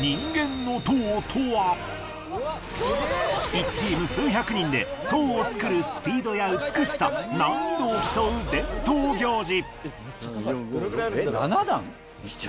１チーム数百人で塔を作るスピードや美しさ難易度を競う伝統行事。